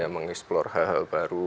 mengeksplor hal hal baru